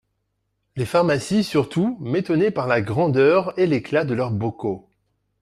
Les pharmacies surtout m'étonnaient par la grandeur et l'éclat de leurs bocaux.